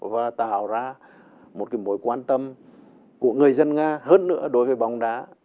và tạo ra một mối quan tâm của người dân nga hơn nữa đối với bóng đá